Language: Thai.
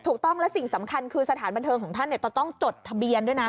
ถูกต้องและสิ่งสำคัญคือสถานบันเทิงของท่านจะต้องจดทะเบียนด้วยนะ